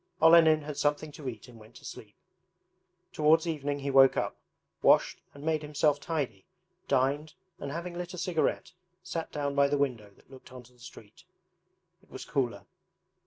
Olenin had something to eat and went to sleep. Towards evening he woke up, washed and made himself tidy, dined, and having lit a cigarette sat down by the window that looked onto the street. It was cooler.